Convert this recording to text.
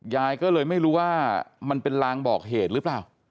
ยายก็เลยไม่รู้ว่ามันเป็นลางบอกเหตุหรือเปล่า